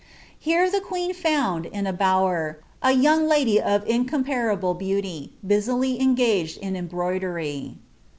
Hero ilie qtiecn found, in ft Imwer, a yrning lady of incom parable b< iiuiy, busily eufaged in embroidery.